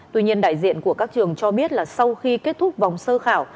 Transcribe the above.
tuy nhiên đại diện của các trường cho biết là sau khi kết thúc vòng sơ khảo